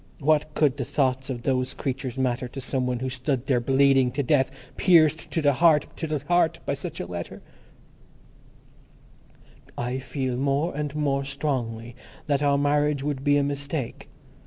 What could the thoughts of those creatures matter to some one who stood there bleeding to death, pierced to the heart, to the heart, by such a letter— ... "I feel more and more strongly that our marriage would be a mistake.